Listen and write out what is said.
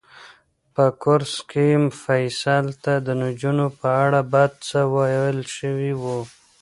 په کورس کې فیصل ته د نجونو په اړه بد څه ویل شوي وو.